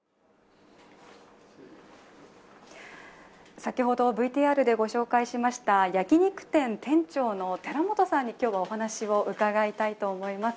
先ほど、ＶＴＲでご紹介しました焼き肉店店長の寺本さんに今日はお話を伺いたいと思います。